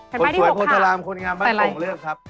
แผ่นป้ายที่๖ค่ะคนสวยโพธารามคนงามบ้านโปกเลือกครับ